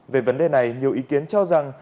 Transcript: về vấn đề này nhiều ý kiến cho rằng